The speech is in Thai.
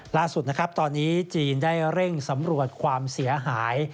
ล่าสุดนะครับตอนนี้จีนได้เร่งสำรวจความเสียหาย